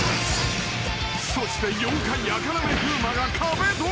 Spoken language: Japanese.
［そして妖怪あかなめ風磨が壁ドン］